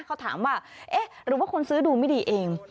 เขาถามว่าเอ๊ะหรือว่าคนซื้อดูไม่ดีเอง